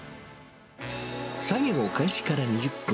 作業開始から２０分。